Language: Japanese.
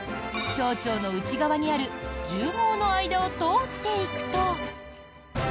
小腸の内側にあるじゅう毛の間を通っていくと。